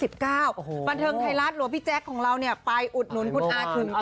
บันเทิงไทยลาดหรือพี่แจ็กของเราไปอุดหนุนคุณอาสลุมกี้